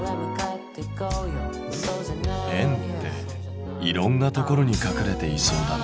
円っていろんなところに隠れていそうだね。